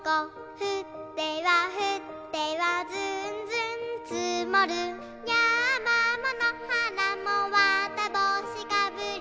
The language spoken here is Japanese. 「ふってはふってはずんずんつもる」「やまものはらもわたぼうしかぶり」